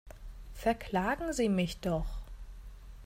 Verklagen Sie mich doch!